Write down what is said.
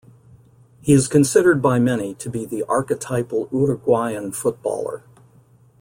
He is considered by many to be the archetypal Uruguayan footballer.